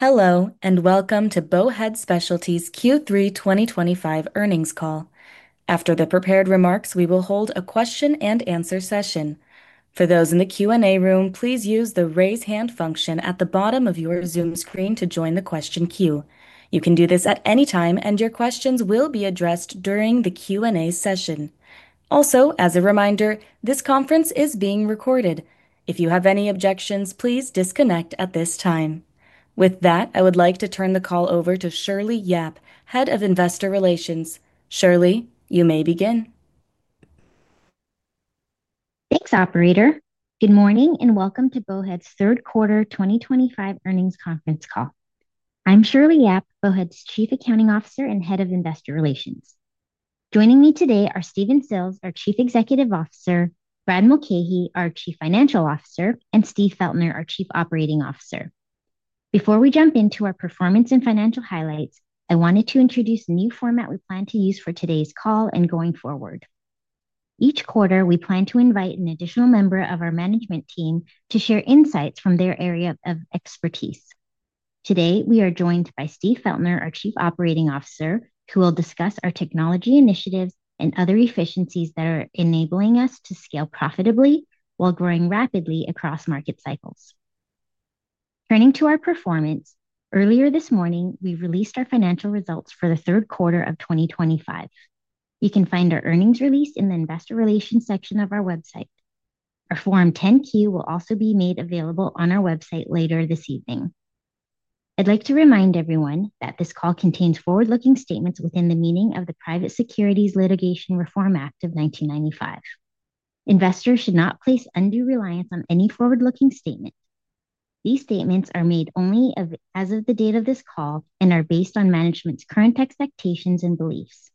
Hello and welcome to Bowhead Specialty's Q3 2025 earnings call. After the prepared remarks, we will hold a question-and-answer session. For those in the Q&A room, please use the raise hand function at the bottom of your Zoom screen to join the question queue. You can do this at any time, and your questions will be addressed during the Q&A session. Also, as a reminder, this conference is being recorded. If you have any objections, please disconnect at this time. With that, I would like to turn the call over to Shirley Yap, Head of Investor Relations. Shirley, you may begin. Thanks, Operator. Good morning and welcome to Bowhead's Third Quarter 2025 earnings conference call. I'm Shirley Yap, Bowhead's Chief Accounting Officer and Head of Investor Relations. Joining me today are Stephen Sills, our Chief Executive Officer; Brad Mulcahey, our Chief Financial Officer; and Steve Feltner, our Chief Operating Officer. Before we jump into our performance and financial highlights, I wanted to introduce a new format we plan to use for today's call and going forward. Each quarter, we plan to invite an additional member of our management team to share insights from their area of expertise. Today, we are joined by Steve Feltner, our Chief Operating Officer, who will discuss our technology initiatives and other efficiencies that are enabling us to scale profitably while growing rapidly across market cycles. Turning to our performance, earlier this morning, we released our financial results for the third quarter of 2025. You can find our earnings release in the Investor Relations section of our website. Our Form 10-Q will also be made available on our website later this evening. I'd like to remind everyone that this call contains forward-looking statements within the meaning of the Private Securities Litigation Reform Act of 1995. Investors should not place undue reliance on any forward-looking statement. These statements are made only as of the date of this call and are based on management's current expectations and beliefs.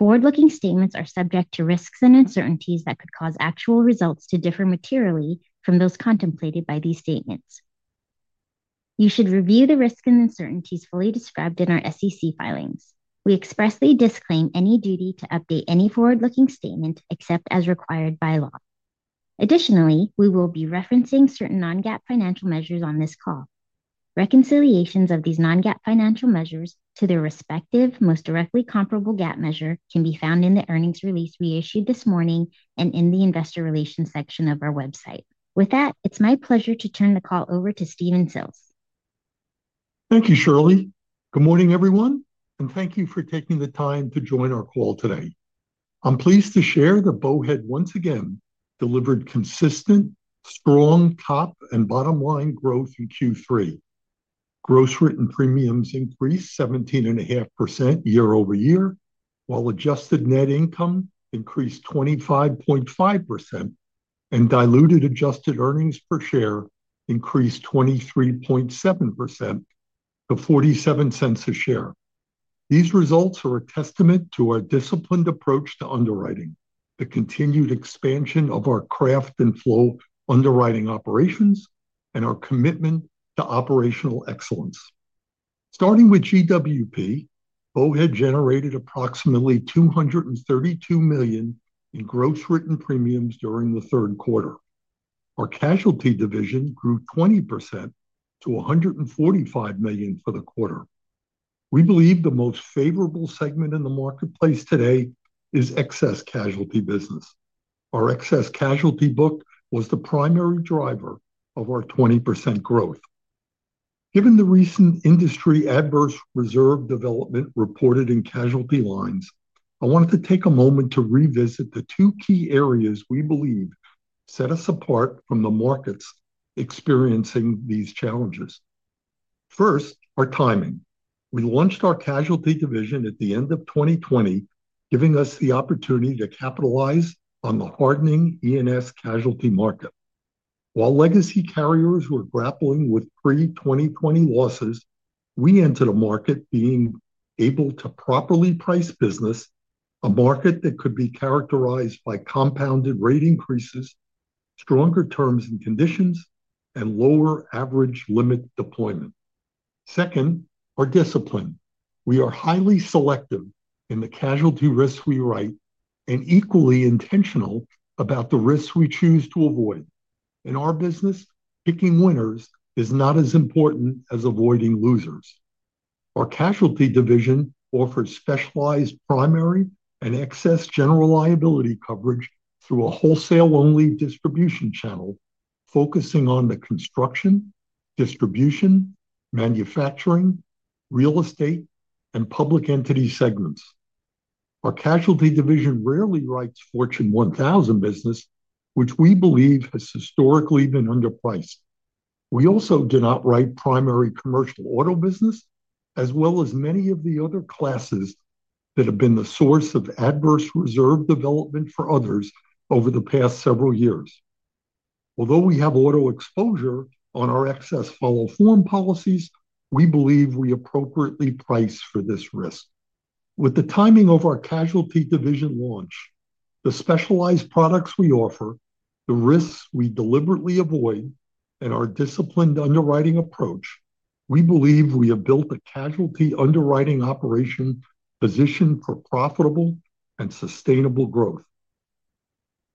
Forward-looking statements are subject to risks and uncertainties that could cause actual results to differ materially from those contemplated by these statements. You should review the risks and uncertainties fully described in our SEC filings. We expressly disclaim any duty to update any forward-looking statement except as required by law. Additionally, we will be referencing certain non-GAAP financial measures on this call. Reconciliations of these non-GAAP financial measures to their respective most directly comparable GAAP measure can be found in the earnings release we issued this morning and in the Investor Relations section of our website. With that, it's my pleasure to turn the call over to Stephen Sills. Thank you, Shirley. Good morning, everyone, and thank you for taking the time to join our call today. I'm pleased to share that Bowhead, once again, delivered consistent, strong top and bottom line growth in Q3. Gross written premiums increased 17.5% year over year, while adjusted net income increased 25.5%. Diluted adjusted earnings per share increased 23.7% to $0.47 a share. These results are a testament to our disciplined approach to underwriting, the continued expansion of our craft and flow underwriting operations, and our commitment to operational excellence. Starting with GWP, Bowhead generated approximately $232 million in gross written premiums during the third quarter. Our casualty division grew 20% to $145 million for the quarter. We believe the most favorable segment in the marketplace today is excess casualty business. Our excess casualty book was the primary driver of our 20% growth. Given the recent industry adverse reserve development reported in casualty lines, I wanted to take a moment to revisit the two key areas we believe set us apart from the markets experiencing these challenges. First, our timing. We launched our casualty division at the end of 2020, giving us the opportunity to capitalize on the hardening E&S casualty market. While legacy carriers were grappling with pre-2020 losses, we entered a market being able to properly price business. A market that could be characterized by compounded rate increases, stronger terms and conditions, and lower average limit deployment. Second, our discipline. We are highly selective in the casualty risks we write and equally intentional about the risks we choose to avoid. In our business, picking winners is not as important as avoiding losers. Our casualty division offers specialized primary and excess general liability coverage through a wholesale-only distribution channel, focusing on the construction, distribution, manufacturing, real estate, and public entity segments. Our casualty division rarely writes Fortune 1000 business, which we believe has historically been underpriced. We also do not write primary commercial auto business, as well as many of the other classes that have been the source of adverse reserve development for others over the past several years. Although we have auto exposure on our excess follow-form policies, we believe we appropriately price for this risk. With the timing of our casualty division launch, the specialized products we offer, the risks we deliberately avoid, and our disciplined underwriting approach, we believe we have built a casualty underwriting operation positioned for profitable and sustainable growth.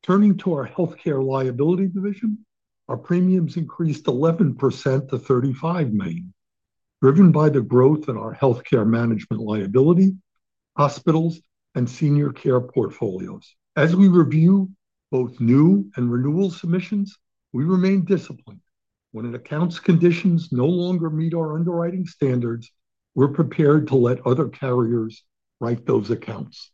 Turning to our healthcare liability division, our premiums increased 11% to $35 million, driven by the growth in our healthcare management liability, hospitals, and senior care portfolios. As we review both new and renewal submissions, we remain disciplined. When an account's conditions no longer meet our underwriting standards, we're prepared to let other carriers write those accounts.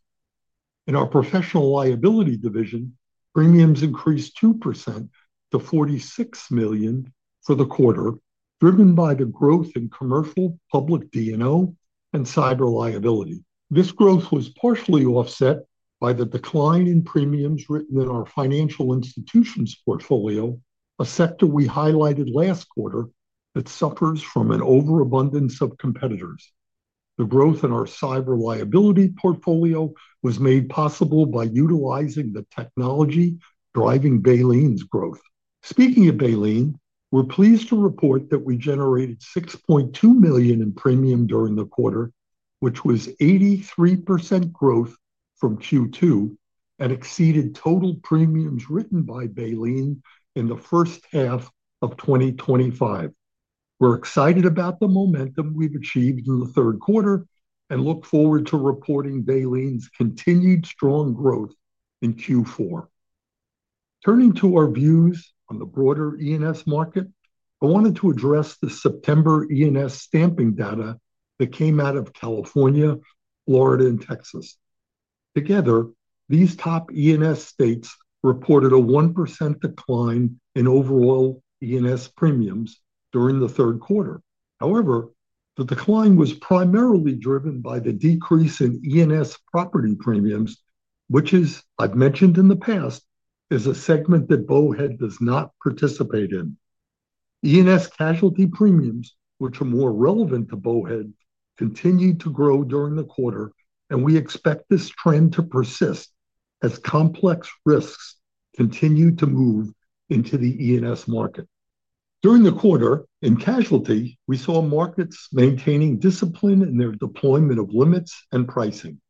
In our professional liability division, premiums increased 2% to $46 million for the quarter, driven by the growth in commercial public D&O and cyber liability. This growth was partially offset by the decline in premiums written in our financial institutions portfolio, a sector we highlighted last quarter that suffers from an overabundance of competitors. The growth in our cyber liability portfolio was made possible by utilizing the technology driving Baleen's growth. Speaking of Baleen, we're pleased to report that we generated $6.2 million in premium during the quarter, which was 83% growth from Q2 and exceeded total premiums written by Baleen in the first half of 2025. We're excited about the momentum we've achieved in the third quarter and look forward to reporting Baleen's continued strong growth in Q4. Turning to our views on the broader E&S market, I wanted to address the September E&S stamping data that came out of California, Florida, and Texas. Together, these top E&S states reported a 1% decline in overall E&S premiums during the third quarter. However, the decline was primarily driven by the decrease in E&S property premiums, which, as I've mentioned in the past, is a segment that Bowhead does not participate in. E&S casualty premiums, which are more relevant to Bowhead, continued to grow during the quarter, and we expect this trend to persist as complex risks continue to move into the E&S market. During the quarter, in casualty, we saw markets maintaining discipline in their deployment of limits and pricing,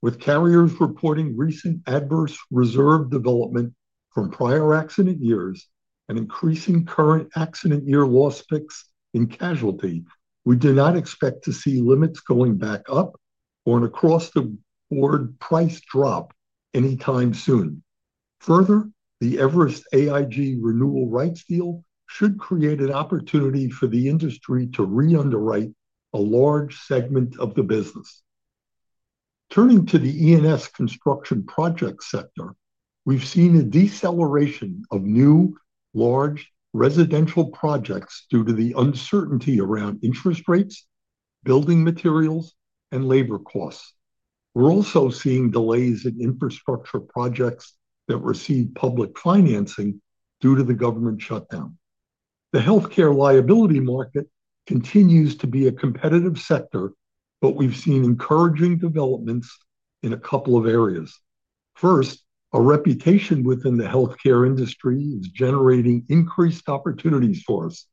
with carriers reporting recent adverse reserve development from prior accident years and increasing current accident year loss picks in casualty. We do not expect to see limits going back up or an across-the-board price drop anytime soon. Further, the Everest AIG renewal rights deal should create an opportunity for the industry to re-underwrite a large segment of the business. Turning to the E&S construction project sector, we've seen a deceleration of new large residential projects due to the uncertainty around interest rates, building materials, and labor costs. We're also seeing delays in infrastructure projects that receive public financing due to the government shutdown. The healthcare liability market continues to be a competitive sector, but we've seen encouraging developments in a couple of areas. First, our reputation within the healthcare industry is generating increased opportunities for us.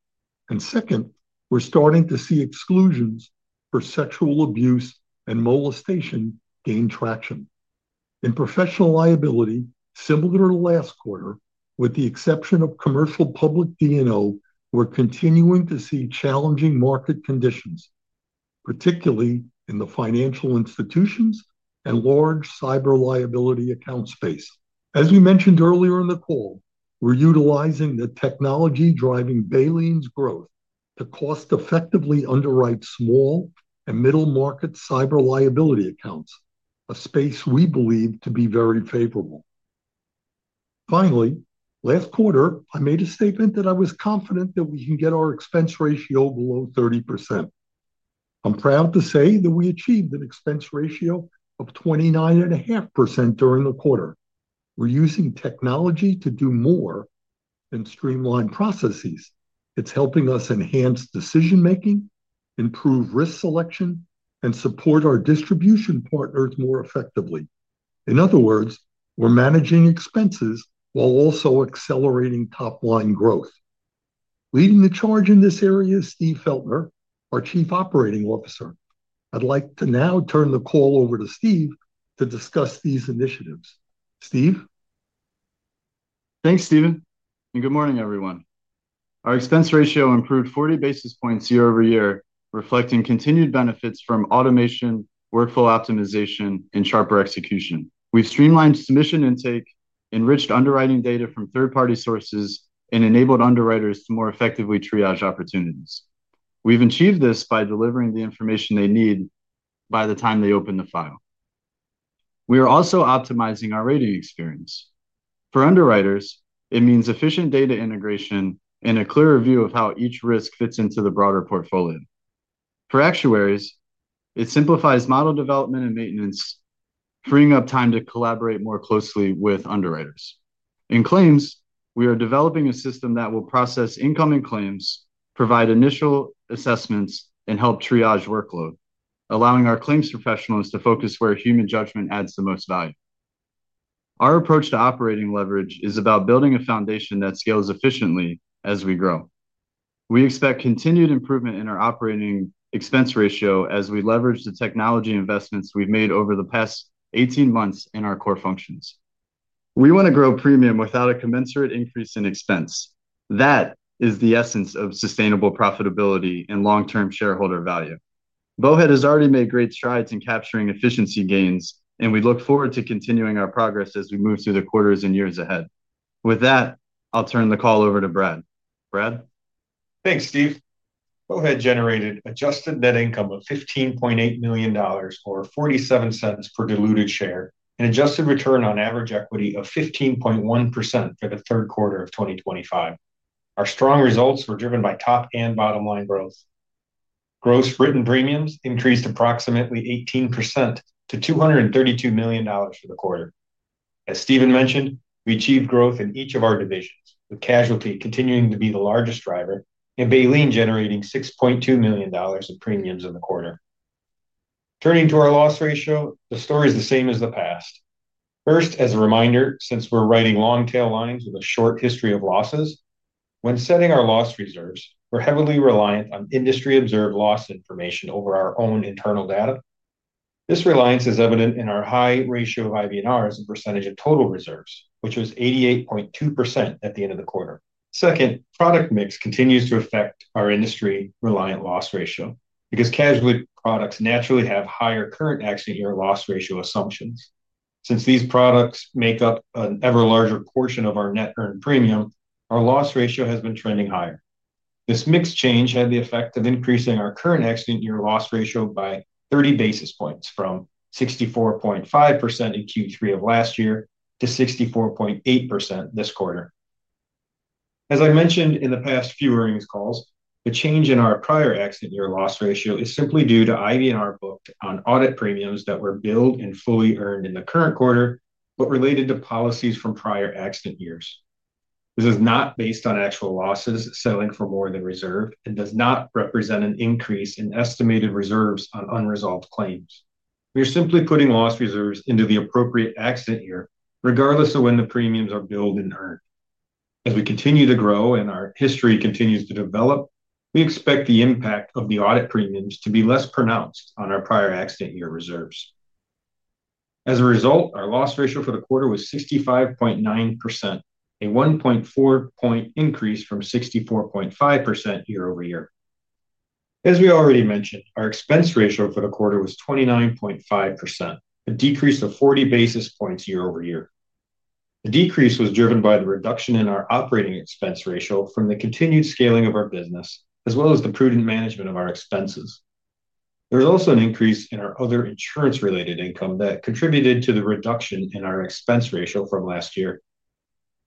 Second, we're starting to see exclusions for sexual abuse and molestation gain traction. In professional liability, similar to last quarter, with the exception of commercial public D&O, we're continuing to see challenging market conditions, particularly in the financial institutions and large cyber liability account space. As we mentioned earlier in the call, we're utilizing the technology driving Baleen's growth to cost-effectively underwrite small and middle market cyber liability accounts, a space we believe to be very favorable. Finally, last quarter, I made a statement that I was confident that we can get our expense ratio below 30%. I'm proud to say that we achieved an expense ratio of 29.5% during the quarter. We're using technology to do more than streamlined processes. It's helping us enhance decision-making, improve risk selection, and support our distribution partners more effectively. In other words, we're managing expenses while also accelerating top-line growth. Leading the charge in this area is Steve Feltner, our Chief Operating Officer. I'd like to now turn the call over to Steve to discuss these initiatives. Steve. Thanks, Stephen. Good morning, everyone. Our expense ratio improved 40 basis points year over year, reflecting continued benefits from automation, workflow optimization, and sharper execution. We have streamlined submission intake, enriched underwriting data from third-party sources, and enabled underwriters to more effectively triage opportunities. We have achieved this by delivering the information they need by the time they open the file. We are also optimizing our rating experience. For underwriters, it means efficient data integration and a clearer view of how each risk fits into the broader portfolio. For actuaries, it simplifies model development and maintenance, freeing up time to collaborate more closely with underwriters. In claims, we are developing a system that will process incoming claims, provide initial assessments, and help triage workload, allowing our claims professionals to focus where human judgment adds the most value. Our approach to operating leverage is about building a foundation that scales efficiently as we grow. We expect continued improvement in our operating expense ratio as we leverage the technology investments we have made over the past 18 months in our core functions. We want to grow premium without a commensurate increase in expense. That is the essence of sustainable profitability and long-term shareholder value. Bowhead has already made great strides in capturing efficiency gains, and we look forward to continuing our progress as we move through the quarters and years ahead. With that, I will turn the call over to Brad. Brad. Thanks, Steve. Bowhead generated adjusted net income of $15.8 million or $0.47 per diluted share and adjusted return on average equity of 15.1% for the third quarter of 2025. Our strong results were driven by top and bottom line growth. Gross written premiums increased approximately 18% to $232 million for the quarter. As Stephen mentioned, we achieved growth in each of our divisions, with casualty continuing to be the largest driver and Baleen generating $6.2 million in premiums in the quarter. Turning to our loss ratio, the story is the same as the past. First, as a reminder, since we're writing long-tail lines with a short history of losses, when setting our loss reserves, we're heavily reliant on industry-observed loss information over our own internal data. This reliance is evident in our high ratio of IBNRs and percentage of total reserves, which was 88.2% at the end of the quarter. Second, product mix continues to affect our industry-reliant loss ratio because casualty products naturally have higher current accident year loss ratio assumptions. Since these products make up an ever larger portion of our net earned premium, our loss ratio has been trending higher. This mix change had the effect of increasing our current accident year loss ratio by 30 basis points from 64.5% in Q3 of last year to 64.8% this quarter. As I mentioned in the past few earnings calls, the change in our prior accident year loss ratio is simply due to IBNR booked on audit premiums that were billed and fully earned in the current quarter, but related to policies from prior accident years. This is not based on actual losses settling for more than reserved and does not represent an increase in estimated reserves on unresolved claims. We are simply putting loss reserves into the appropriate accident year, regardless of when the premiums are billed and earned. As we continue to grow and our history continues to develop, we expect the impact of the audit premiums to be less pronounced on our prior accident year reserves. As a result, our loss ratio for the quarter was 65.9%, a 1.4-point increase from 64.5% year over year. As we already mentioned, our expense ratio for the quarter was 29.5%, a decrease of 40 basis points year over year. The decrease was driven by the reduction in our operating expense ratio from the continued scaling of our business, as well as the prudent management of our expenses. There was also an increase in our other insurance-related income that contributed to the reduction in our expense ratio from last year.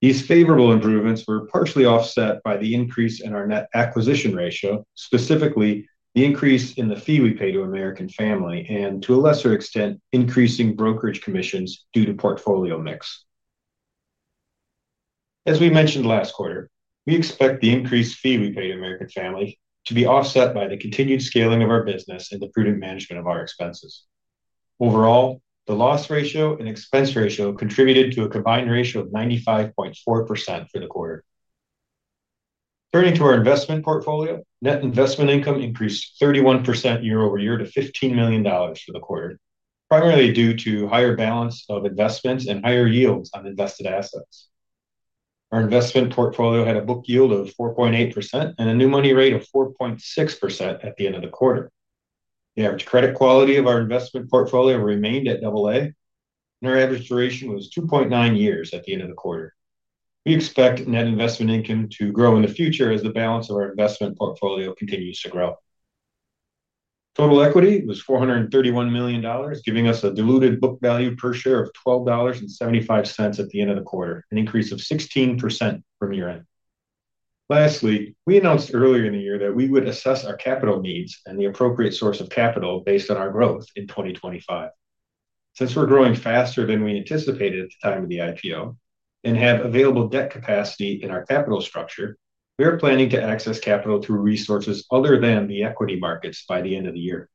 These favorable improvements were partially offset by the increase in our net acquisition ratio, specifically the increase in the fee we pay to American Family and, to a lesser extent, increasing brokerage commissions due to portfolio mix. As we mentioned last quarter, we expect the increased fee we pay to American Family to be offset by the continued scaling of our business and the prudent management of our expenses. Overall, the loss ratio and expense ratio contributed to a combined ratio of 95.4% for the quarter. Turning to our investment portfolio, net investment income increased 31% year over year to $15 million for the quarter, primarily due to higher balance of investments and higher yields on invested assets. Our investment portfolio had a book yield of 4.8% and a new money rate of 4.6% at the end of the quarter. The average credit quality of our investment portfolio remained at AA, and our average duration was 2.9 years at the end of the quarter. We expect net investment income to grow in the future as the balance of our investment portfolio continues to grow. Total equity was $431 million, giving us a diluted book value per share of $12.75 at the end of the quarter, an increase of 16% from year-end. Lastly, we announced earlier in the year that we would assess our capital needs and the appropriate source of capital based on our growth in 2025. Since we're growing faster than we anticipated at the time of the IPO and have available debt capacity in our capital structure, we are planning to access capital through resources other than the equity markets by the end of the year.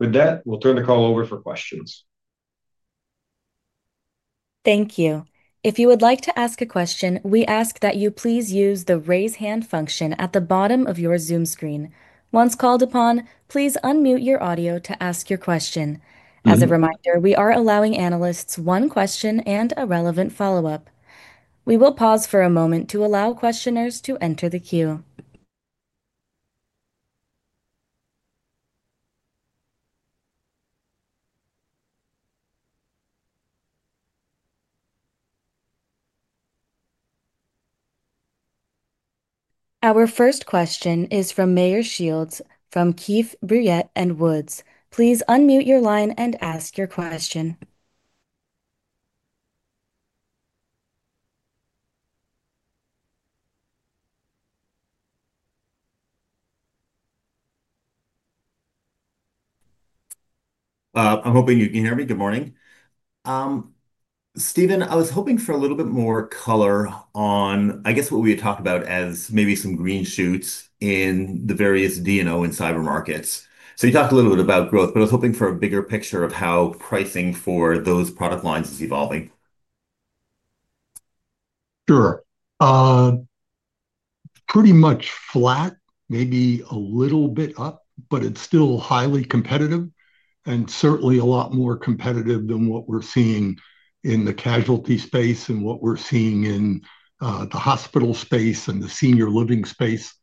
With that, we'll turn the call over for questions. Thank you. If you would like to ask a question, we ask that you please use the raise hand function at the bottom of your Zoom screen. Once called upon, please unmute your audio to ask your question. As a reminder, we are allowing analysts one question and a relevant follow-up. We will pause for a moment to allow questioners to enter the queue. Our first question is from Meyer Shields from Keefe, Bruyette & Woods. Please unmute your line and ask your question. I'm hoping you can hear me. Good morning. Stephen, I was hoping for a little bit more color on, I guess, what we had talked about as maybe some green shoots in the various D&O and cyber markets. You talked a little bit about growth, but I was hoping for a bigger picture of how pricing for those product lines is evolving. Sure. Pretty much flat, maybe a little bit up, but it's still highly competitive and certainly a lot more competitive than what we're seeing in the casualty space and what we're seeing in the hospital space and the senior living space.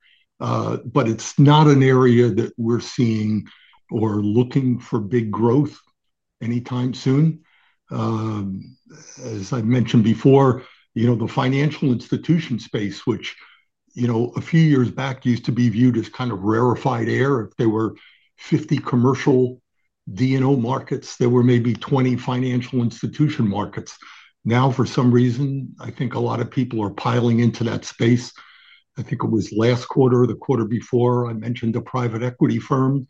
It's not an area that we're seeing or looking for big growth anytime soon. As I mentioned before, the financial institution space, which a few years back used to be viewed as kind of rarefied air. If there were 50 commercial D&O markets, there were maybe 20 financial institution markets. Now, for some reason, I think a lot of people are piling into that space. I think it was last quarter or the quarter before I mentioned a private equity firm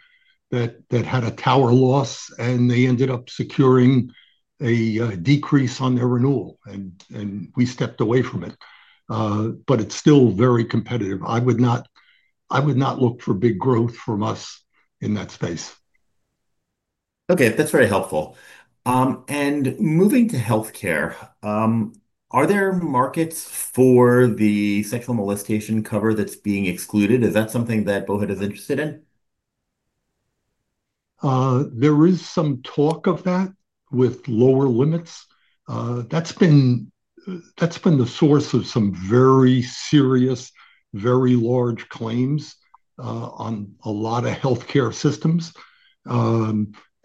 that had a tower loss, and they ended up securing a decrease on their renewal, and we stepped away from it. It's still very competitive. I would not look for big growth from us in that space. Okay. That's very helpful. Moving to healthcare. Are there markets for the sexual molestation cover that's being excluded? Is that something that Bowhead is interested in? There is some talk of that with lower limits. That's been the source of some very serious, very large claims on a lot of healthcare systems.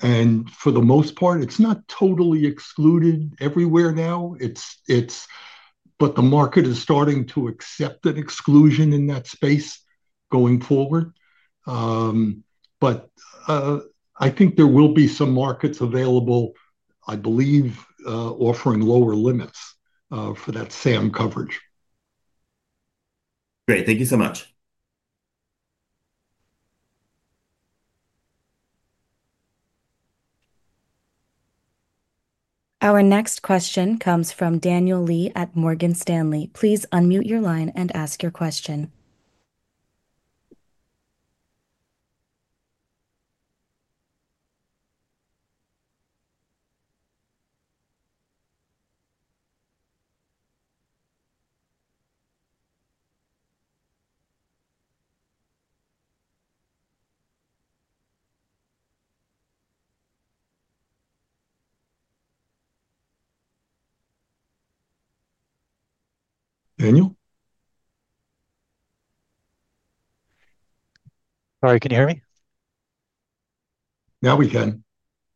For the most part, it's not totally excluded everywhere now. The market is starting to accept an exclusion in that space going forward. I think there will be some markets available, I believe, offering lower limits for that SAM coverage. Great. Thank you so much. Our next question comes from Daniel Lee at Morgan Stanley. Please unmute your line and ask your question. Daniel? Sorry, can you hear me? Now we can.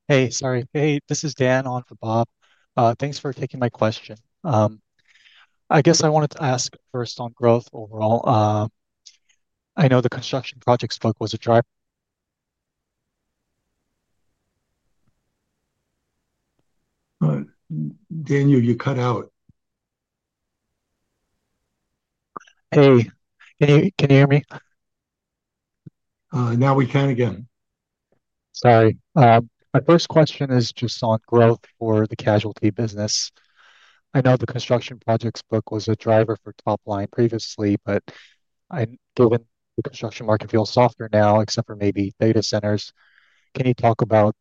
Hey, sorry. Hey, this is Dan on for Bob. Thanks for taking my question. I guess I wanted to ask first on growth overall. I know the construction projects book was a driver. Daniel, you cut out. Hey, can you hear me? Now we can again. Sorry. My first question is just on growth for the casualty business. I know the construction projects book was a driver for top line previously, but given the construction market feels softer now, except for maybe data centers, can you talk about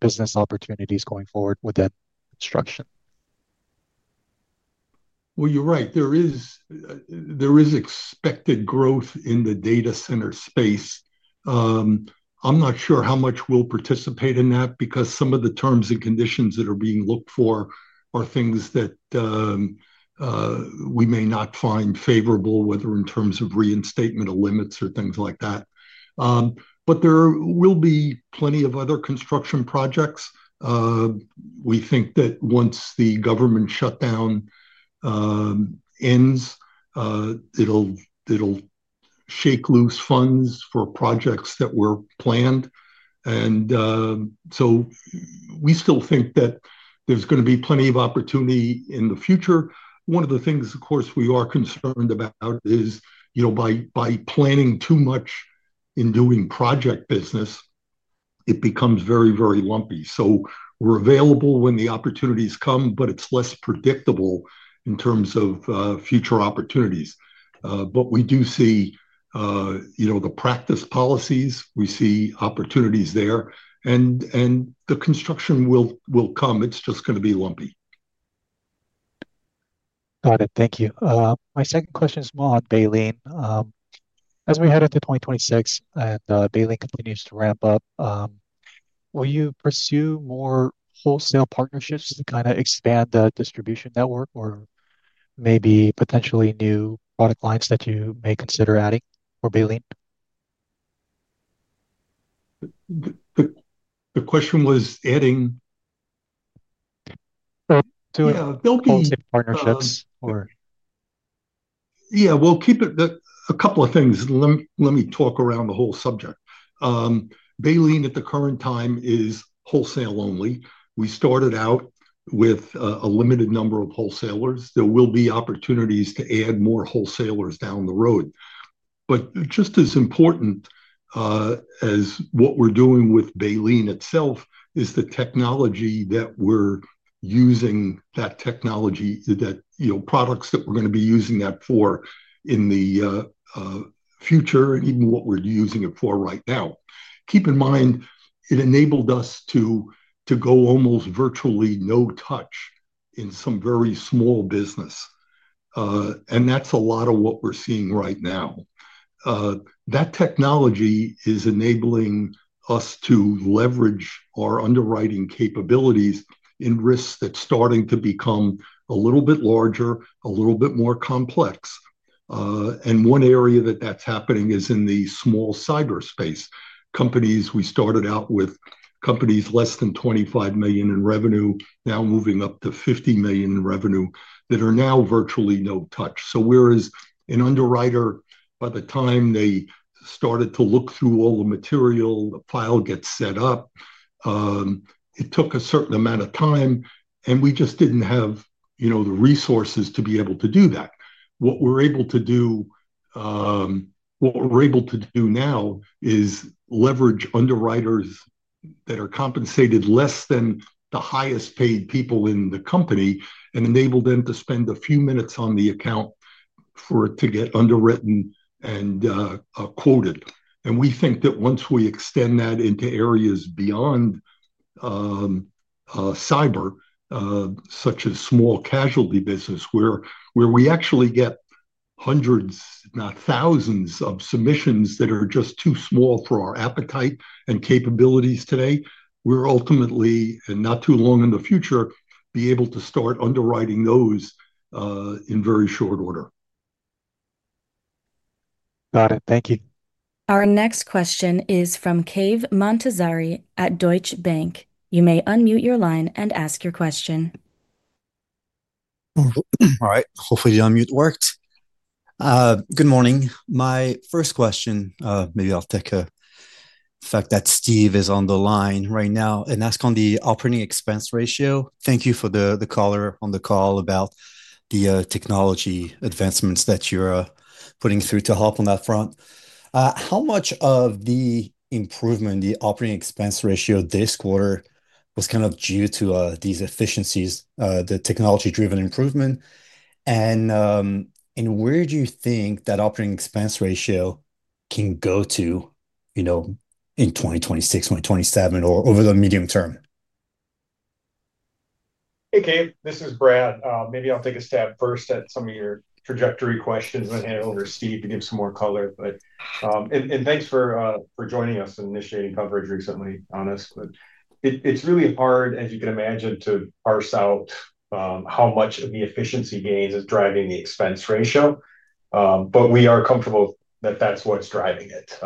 business opportunities going forward with that construction? You're right. There is expected growth in the data center space. I'm not sure how much we'll participate in that because some of the terms and conditions that are being looked for are things that we may not find favorable, whether in terms of reinstatement of limits or things like that. There will be plenty of other construction projects. We think that once the government shutdown ends, it'll shake loose funds for projects that were planned. We still think that there's going to be plenty of opportunity in the future. One of the things, of course, we are concerned about is by planning too much in doing project business, it becomes very, very lumpy. We're available when the opportunities come, but it's less predictable in terms of future opportunities. We do see the practice policies. We see opportunities there, and the construction will come. It's just going to be lumpy. Got it. Thank you. My second question is more on Baleen. As we head into 2026 and Baleen continues to ramp up, will you pursue more wholesale partnerships to kind of expand the distribution network or maybe potentially new product lines that you may consider adding for Baleen? The question was adding. Yeah, we'll keep it a couple of things. Let me talk around the whole subject. Baleen, at the current time, is wholesale only. We started out with a limited number of wholesalers. There will be opportunities to add more wholesalers down the road. Just as important as what we're doing with Baleen itself is the technology that we're using, that technology, that products that we're going to be using that for in the future and even what we're using it for right now. Keep in mind, it enabled us to go almost virtually no touch in some very small business. That's a lot of what we're seeing right now. That technology is enabling us to leverage our underwriting capabilities in risks that's starting to become a little bit larger, a little bit more complex. One area that that's happening is in the small cyber space. Companies we started out with, companies less than $25 million in revenue, now moving up to $50 million in revenue, that are now virtually no touch. Whereas an underwriter, by the time they started to look through all the material, the file gets set up. It took a certain amount of time, and we just didn't have the resources to be able to do that. What we're able to do now is leverage underwriters that are compensated less than the highest-paid people in the company and enable them to spend a few minutes on the account to get underwritten and quoted. We think that once we extend that into areas beyond cyber, such as small casualty business, where we actually get hundreds, not thousands, of submissions that are just too small for our appetite and capabilities today, we're ultimately, and not too long in the future, be able to start underwriting those in very short order. Got it. Thank you. Our next question is from Cave Montazeri at Deutsche Bank. You may unmute your line and ask your question. All right. Hopefully, the unmute worked. Good morning. My first question, maybe I'll take a fact that Steve is on the line right now and ask on the operating expense ratio. Thank you for the caller on the call about the technology advancements that you're putting through to help on that front. How much of the improvement, the operating expense ratio this quarter was kind of due to these efficiencies, the technology-driven improvement? Where do you think that operating expense ratio can go to in 2026, 2027, or over the medium term? Hey, Kave. This is Brad. Maybe I'll take a stab first at some of your trajectory questions and hand it over to Steve to give some more color. Thanks for joining us and initiating coverage recently on us. It's really hard, as you can imagine, to parse out how much of the efficiency gains is driving the expense ratio. We are comfortable that that's what's driving it.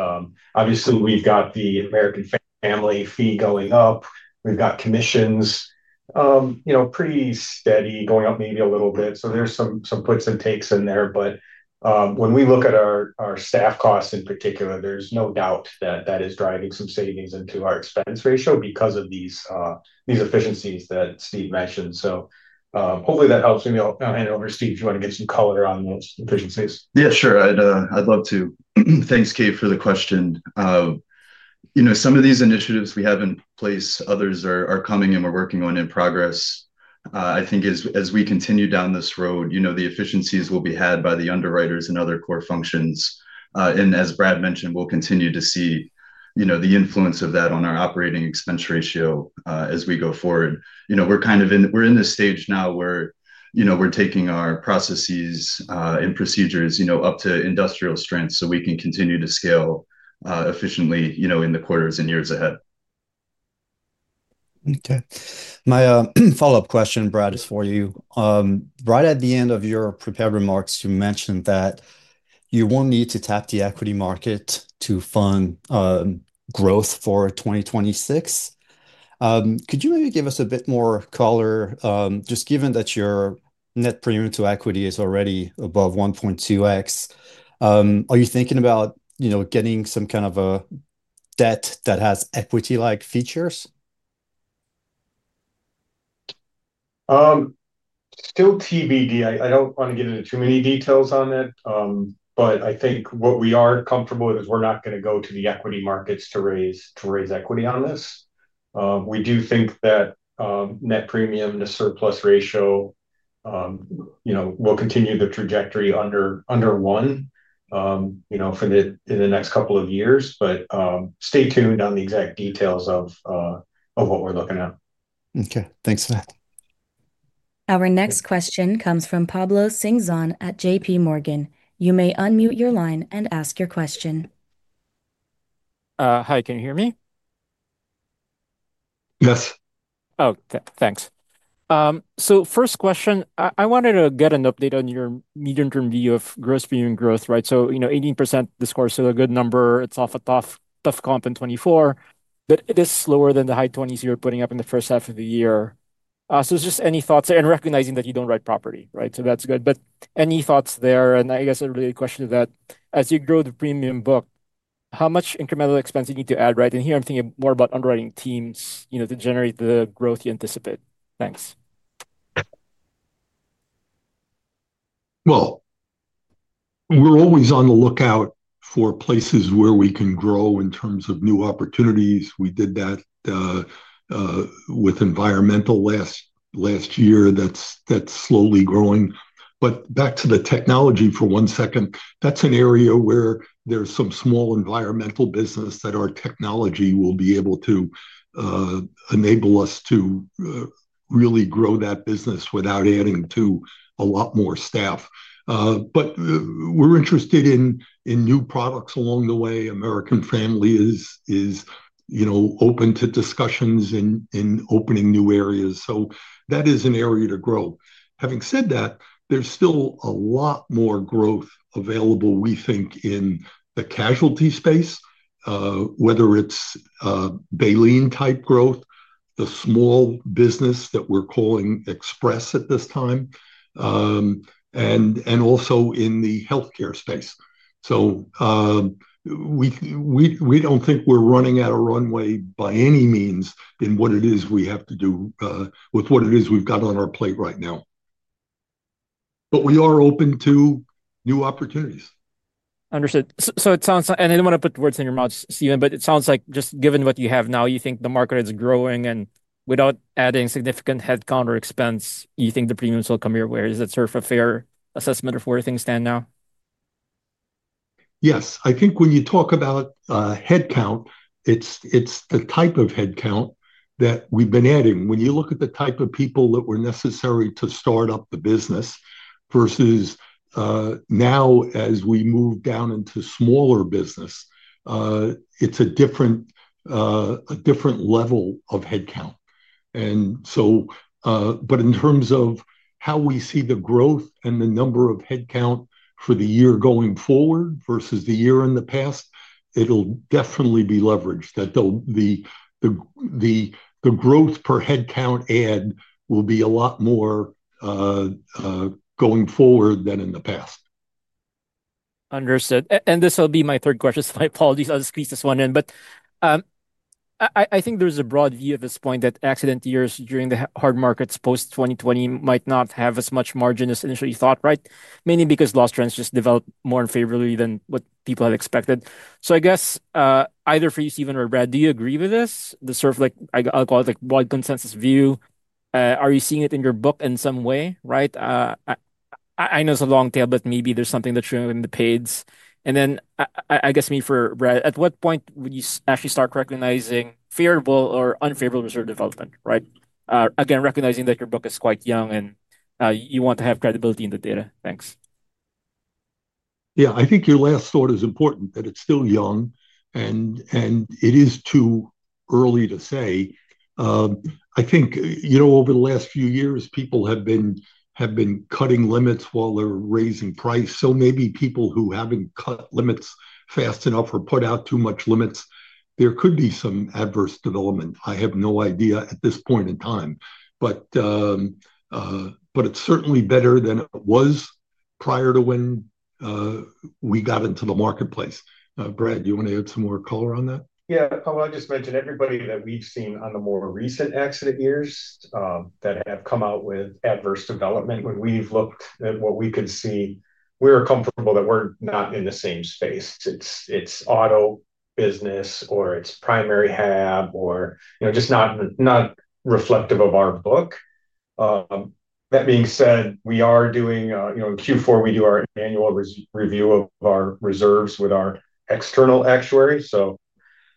Obviously, we've got the American Family fee going up. We've got commissions pretty steady, going up maybe a little bit. There's some puts and takes in there. When we look at our staff costs in particular, there's no doubt that that is driving some savings into our expense ratio because of these efficiencies that Steve mentioned. Hopefully that helps. Maybe I'll hand it over to Steve. Do you want to get some color on those efficiencies? Yeah, sure. I'd love to. Thanks, Cave, for the question. Some of these initiatives we have in place, others are coming and we're working on in progress. I think as we continue down this road, the efficiencies will be had by the underwriters and other core functions. As Brad mentioned, we'll continue to see the influence of that on our operating expense ratio as we go forward. We're kind of in this stage now where we're taking our processes and procedures up to industrial strength so we can continue to scale efficiently in the quarters and years ahead. Okay. My follow-up question, Brad, is for you. Right at the end of your prepared remarks, you mentioned that you will need to tap the equity market to fund growth for 2026. Could you maybe give us a bit more color, just given that your net premium to equity is already above 1.2x? Are you thinking about getting some kind of a debt that has equity-like features? Still TBD. I don't want to get into too many details on that. I think what we are comfortable with is we're not going to go to the equity markets to raise equity on this. We do think that net premium to surplus ratio will continue the trajectory under one for the next couple of years. Stay tuned on the exact details of what we're looking at. Okay. Thanks for that. Our next question comes from Pablo Singzon at J.P. Morgan. You may unmute your line and ask your question. Hi. Can you hear me? Yes. Okay. Thanks. First question, I wanted to get an update on your medium-term view of gross premium growth, right? Eighteen percent this quarter, so a good number. It is off a tough comp in 2024, but it is slower than the high 20s you were putting up in the first half of the year. Any thoughts, and recognizing that you do not write property, right? That is good. Any thoughts there? I guess a related question to that. As you grow the premium book, how much incremental expense do you need to add, right? Here I am thinking more about underwriting teams to generate the growth you anticipate. Thanks. We're always on the lookout for places where we can grow in terms of new opportunities. We did that with environmental last year. That's slowly growing. Back to the technology for one second, that's an area where there's some small environmental business that our technology will be able to enable us to really grow that business without adding to a lot more staff. We're interested in new products along the way. American Family is open to discussions in opening new areas. That is an area to grow. Having said that, there's still a lot more growth available, we think, in the casualty space. Whether it's Baleen-type growth, the small business that we're calling Express at this time, and also in the healthcare space. We don't think we're running out of runway by any means in what it is we have to do with what it is we've got on our plate right now. We are open to new opportunities. Understood. I do not want to put words in your mouth, Stephen, but it sounds like just given what you have now, you think the market is growing, and without adding significant headcount or expense, you think the premiums will come your way. Is that sort of a fair assessment of where things stand now? Yes. I think when you talk about headcount, it's the type of headcount that we've been adding. When you look at the type of people that were necessary to start up the business versus now, as we move down into smaller business, it's a different level of headcount. In terms of how we see the growth and the number of headcount for the year going forward versus the year in the past, it'll definitely be leveraged. The growth per headcount add will be a lot more going forward than in the past. Understood. This will be my third question. My apologies. I'll squeeze this one in. I think there's a broad view at this point that accident years during the hard markets post-2020 might not have as much margin as initially thought, right? Mainly because loss trends just developed more unfavorably than what people had expected. I guess either for you, Stephen, or Brad, do you agree with this? The sort of, I'll call it, broad consensus view. Are you seeing it in your book in some way, right? I know it's a long tail, but maybe there's something that's true in the paids. I guess for Brad, at what point would you actually start recognizing favorable or unfavorable reserve development, right? Again, recognizing that your book is quite young and you want to have credibility in the data. Thanks. Yeah. I think your last thought is important, that it's still young. It is too early to say, I think. Over the last few years, people have been cutting limits while they're raising price. Maybe people who haven't cut limits fast enough or put out too much limits, there could be some adverse development. I have no idea at this point in time. It is certainly better than it was prior to when we got into the marketplace. Brad, do you want to add some more color on that? Yeah. I want to just mention everybody that we've seen on the more recent accident years that have come out with adverse development. When we've looked at what we could see, we're comfortable that we're not in the same space. It's auto business, or it's primary hab, or just not reflective of our book. That being said, we are doing Q4, we do our annual review of our reserves with our external actuary.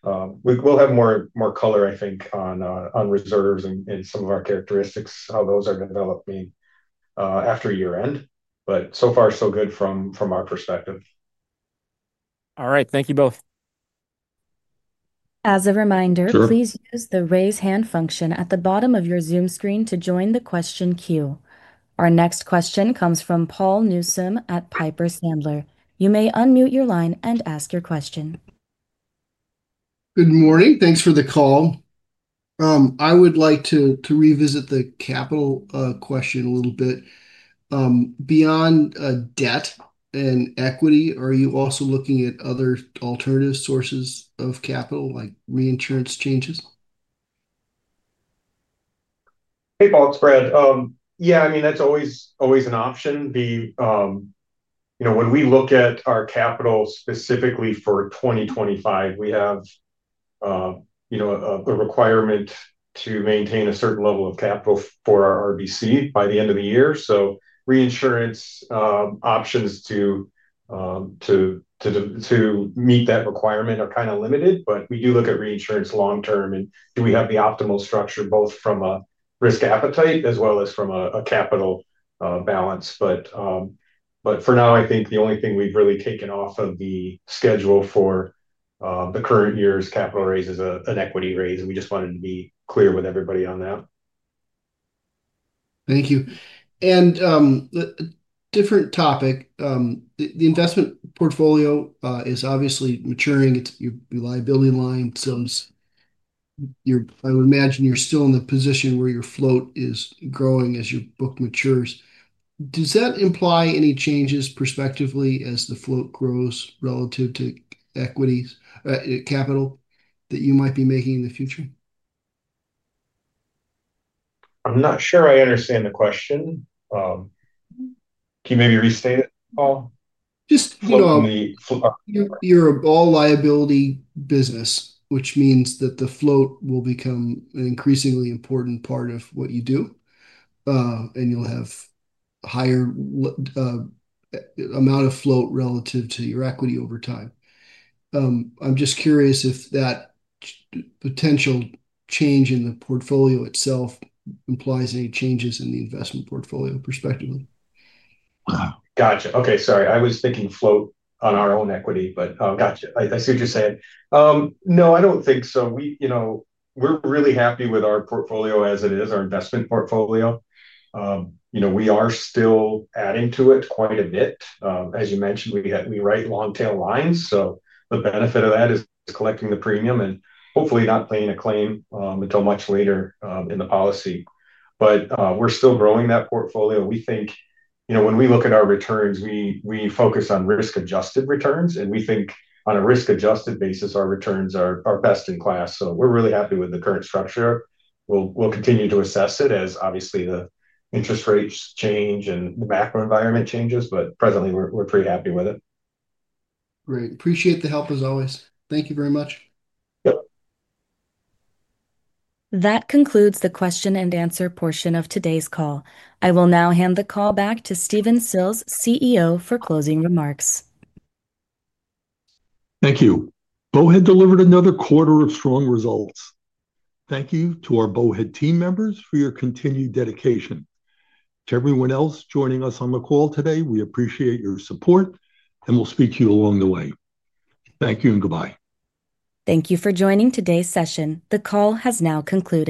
We'll have more color, I think, on reserves and some of our characteristics, how those are developing after year-end. But so far, so good from our perspective. All right. Thank you both. As a reminder, please use the raise hand function at the bottom of your Zoom screen to join the question queue. Our next question comes from Paul Newsome at Piper Sandler. You may unmute your line and ask your question. Good morning. Thanks for the call. I would like to revisit the capital question a little bit. Beyond debt and equity, are you also looking at other alternative sources of capital, like reinsurance changes? Hey, Paul, it's Brad. Yeah. I mean, that's always an option. When we look at our capital specifically for 2025, we have a requirement to maintain a certain level of capital for our RBC by the end of the year. Reinsurance options to meet that requirement are kind of limited. I mean, we do look at reinsurance long-term and do we have the optimal structure both from a risk appetite as well as from a capital balance. For now, I think the only thing we've really taken off of the schedule for the current year is capital raises and equity raise. We just wanted to be clear with everybody on that. Thank you. A different topic. The investment portfolio is obviously maturing. It's your liability line. I would imagine you're still in the position where your float is growing as your book matures. Does that imply any changes prospectively as the float grows relative to capital that you might be making in the future? I'm not sure I understand the question. Can you maybe restate it, Paul? Just, you're a ball liability business, which means that the float will become an increasingly important part of what you do. You'll have a higher amount of float relative to your equity over time. I'm just curious if that potential change in the portfolio itself implies any changes in the investment portfolio prospectively. Gotcha. Okay. Sorry. I was thinking float on our own equity, but gotcha. I see what you're saying. No, I do not think so. We're really happy with our portfolio as it is, our investment portfolio. We are still adding to it quite a bit. As you mentioned, we write long-tail lines. The benefit of that is collecting the premium and hopefully not paying a claim until much later in the policy. We're still growing that portfolio. We think when we look at our returns, we focus on risk-adjusted returns. We think on a risk-adjusted basis, our returns are best in class. We're really happy with the current structure. We'll continue to assess it as obviously the interest rates change and the macro environment changes. Presently, we're pretty happy with it. Great. Appreciate the help as always. Thank you very much. Yep. That concludes the question and answer portion of today's call. I will now hand the call back to Stephen Sills, CEO, for closing remarks. Thank you. Bowhead delivered another quarter of strong results. Thank you to our Bowhead team members for your continued dedication. To everyone else joining us on the call today, we appreciate your support and we'll speak to you along the way. Thank you and goodbye. Thank you for joining today's session. The call has now concluded.